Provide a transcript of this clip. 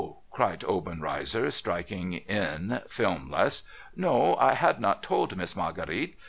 cried Obenrcizer, striking in, filmless, ' No. I had not told Miss Marguerite.